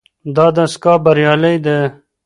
دا دستګاه بریالۍ ده.